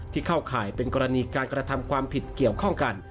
เข้าข่ายเป็นกรณีการกระทำความผิดเกี่ยวข้องกัน